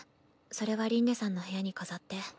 それは凛音さんの部屋に飾って。